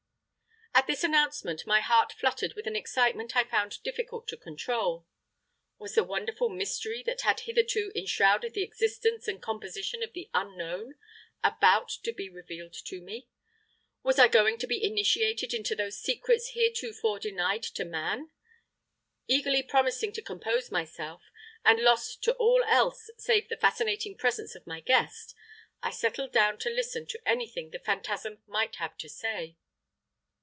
"At this announcement my heart fluttered with an excitement I found difficult to control. Was the wonderful mystery that had hitherto enshrouded the existence and composition of the Unknown about to be revealed to me was I going to be initiated into those secrets heretofore denied to man? Eagerly promising to compose myself, and lost to all else save the fascinating presence of my guest, I settled down to listen to anything the phantasm might have to say.